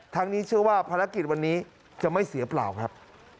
นี้เชื่อว่าภารกิจวันนี้จะไม่เสียเปล่าครับ